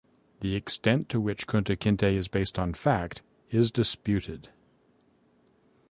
The extent to which Kunta Kinte is based on fact is disputed.